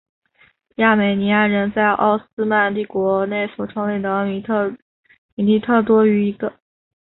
亚美尼亚人在奥斯曼帝国内所创立的米利特多于一个。